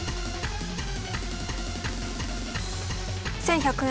１，１００円。